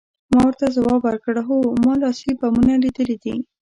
ما ورته ځواب ورکړ، هو، ما لاسي بمونه لیدلي دي.